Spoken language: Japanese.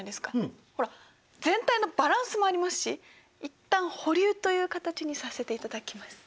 ほら全体のバランスもありますし一旦保留という形にさせていただきます。